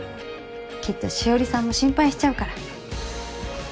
きっと紫織さんも心配しちゃうから。